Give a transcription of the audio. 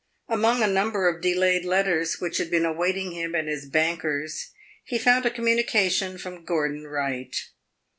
Among a number of delayed letters which had been awaiting him at his banker's he found a communication from Gordon Wright.